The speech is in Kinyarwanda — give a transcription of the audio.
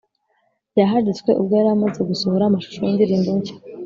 yaharitswe ubwo yari amaze gusohora amashusho y’indirimbo nshya